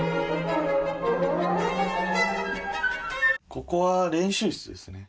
ここは練習室ですね